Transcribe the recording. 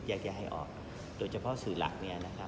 แยกแยะให้ออกโดยเฉพาะสื่อหลัก